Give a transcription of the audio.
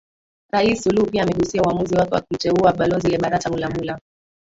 Rais suluhu pia amegusia uamuzi wake wa kumteua Balozi Lebarata Mulamula